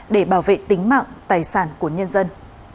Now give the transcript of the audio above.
để bảo vệ tính mạng tài sản của nhân dân